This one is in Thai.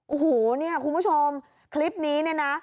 โอ้โฮนี่คุณผู้ชมคลิปนี้นะ